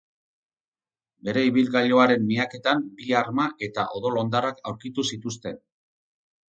Bere ibilgailuaren miaketan bi arma eta odol hondarrak aurkitu zituzten.